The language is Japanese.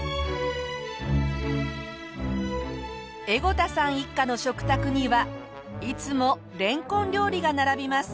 江後田さん一家の食卓にはいつもれんこん料理が並びます。